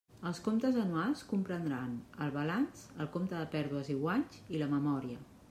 Els comptes anuals comprendran el balanç, el compte de pèrdues i guanys i la memòria.